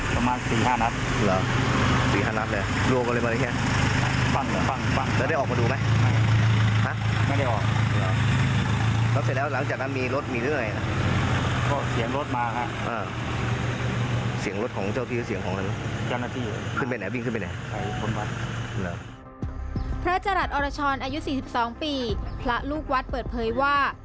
พระจรัสอรชรอายุ๔๒ปีพระลูกวัดเปิดเผยว่า